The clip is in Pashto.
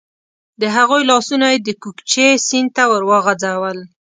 د هغوی لاسونه یې د کوکچې سیند ته ور وغورځول.